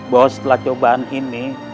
bahwa setelah cobaan ini